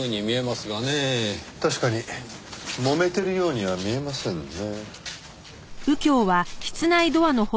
確かにもめてるようには見えませんね。